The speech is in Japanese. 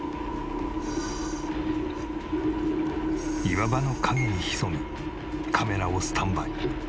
岩場の陰に潜みカメラをスタンバイ。